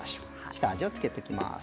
下味を付けておきます。